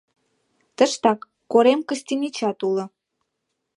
Тыштак Корем Кыстинчиат уло.